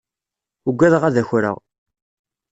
Ugadeɣ ad akreɣ.